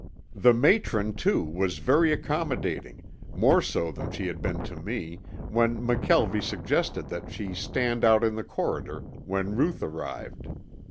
The matron too was very accommodating, more so than she had been to me, when McKelvie suggested that she stand out in the corridor when Ruth arrived.